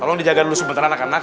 tolong dijaga dulu sebentar anak anak